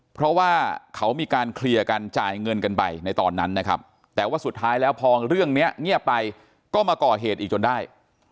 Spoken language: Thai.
เพราะว่าเขามีการเคลียร์กันจ่ายเงินกันไปในตอนนั้นนะครับแต่ว่าสุดท้ายแล้วพอเรื่องนี้เงียบไปก็มาก่อเหตุอีกจนได้